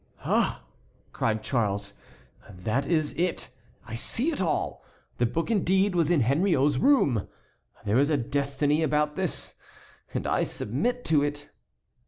"Ah!" cried Charles, "that is it. I see it all. The book indeed was in Henriot's room. There is a destiny about this and I submit to it."